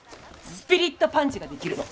スピリットパンチができるの。